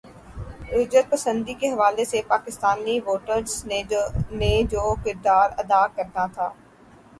رجعت پسندی کے حوالے سے پاکستانی ووٹرز نے جو کردار ادا کرنا تھا۔